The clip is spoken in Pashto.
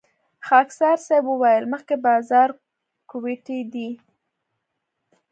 خاکسار صیب وويل مخکې بازارګوټی دی.